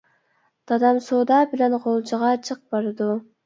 دادام سودا بىلەن غۇلجىغا جىق بارىدۇ.